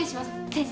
先生。